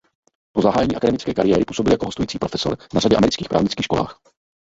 Po zahájení akademické kariéry působil jako hostující profesor na řadě amerických právnických školách.